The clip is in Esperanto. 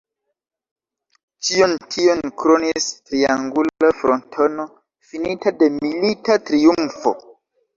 Ĉion tion kronis triangula frontono finita de milita triumfo.